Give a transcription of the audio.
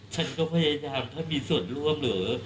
ฉันก็พยายามถ้ามีส่วนร่วมหรือ